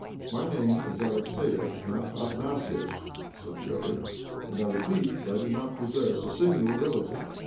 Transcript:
" My name is Alexiev, not Athanasiev," said the other. " And I repeat that I do not possess a single Relative."